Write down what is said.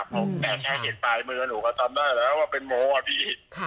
เพราะแม่ใช่เห็นปลายมือหนูก็จำได้แล้วว่าเป็นโมอ่ะพี่